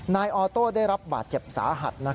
นายออโต้ได้รับบาดเจ็บสาหัส